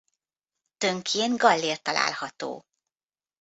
Tönkjén gallér található.